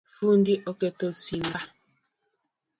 Fundi oketho simba